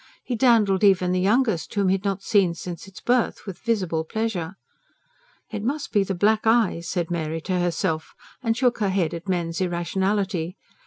He dandled even the youngest, whom he had not seen since its birth, with visible pleasure. "It must be the black eyes," said Mary to herself; and shook her head at men's irrationality.